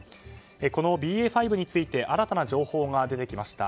このＢＡ．５について新たな情報が出てきました。